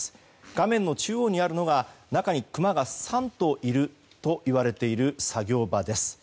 画面の中央にあるのが中にクマが３頭いるといわれている作業場です。